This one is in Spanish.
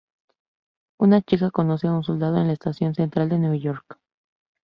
Una chica conoce a un soldado en la Estación Central de Nueva York.